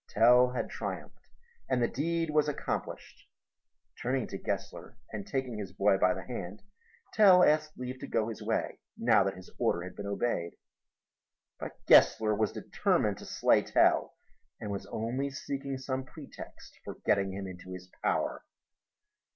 Tell had triumphed and the deed was accomplished. Turning to Gessler and taking his boy by the hand Tell asked leave to go his way, now that his order had been obeyed. But Gessler was determined to slay Tell and was only seeking some pretext for getting him into his power.